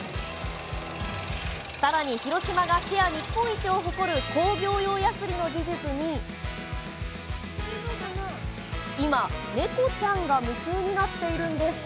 さらに広島がシェア日本一を誇る工業用やすりの技術に今、猫ちゃんが夢中になっているんです。